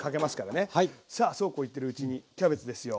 さあそうこう言ってるうちにキャベツですよ。